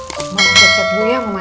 mau ke cacat gue yang mana